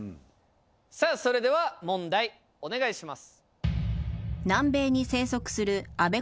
さあそれでは問題お願いします。